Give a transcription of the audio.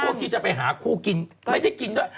ที่จะไปหาคู่กินไม่ได้กินด้วย